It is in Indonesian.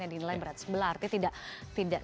yang dinilai berat sebelah artinya tidak